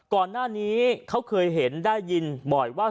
ก่อนหน้านี้เขาเคยเห็นได้ยินบ่อยว่า